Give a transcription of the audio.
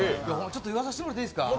言わさせてもらっていいですか？